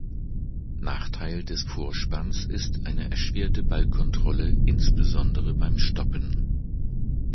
Nachteil des Vorspanns ist eine erschwerte Ballkontrolle insbesondere beim Stoppen.